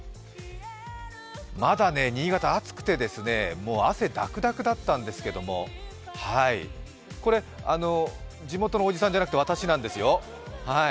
まだね、新潟、暑くてもう汗だくだくだったんですけれども、これ、地元のおじさんじゃなくて、私なんですよ。